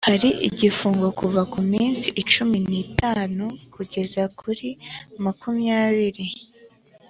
hari igifungo kuva ku minsi cumi n ‘itanu kugeza kurimakumyabiri.